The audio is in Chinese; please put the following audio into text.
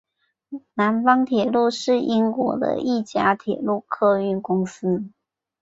南方铁路是英国的一家铁路客运公司。